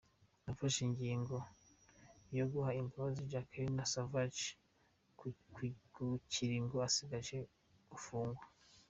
"Nafashe ingingo yo guha imbabazi Jacqueline Sauvage ku kiringo asigaje gupfungwa.